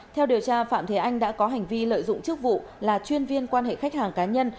theo điều tra phạm thế anh đã có hành vi lợi dụng chức vụ là chuyên viên quan hệ khách hàng cá nhân